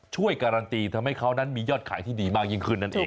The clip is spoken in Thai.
ช่วยการันตีทำให้เขานั้นมียอดขายที่ดีมากยิ่งขึ้นนั่นเอง